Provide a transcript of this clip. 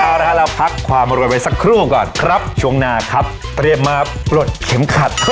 เอาละเราพักความรวยไว้สักครู่ก่อนครับช่วงหน้าครับเตรียมมาปลดเข็มขัด